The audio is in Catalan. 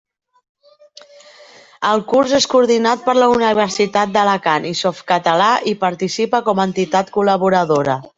El curs és coordinat per la Universitat d'Alacant, i Softcatalà hi participa com a entitat col·laboradora.